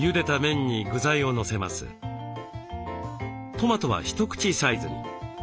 トマトは一口サイズに。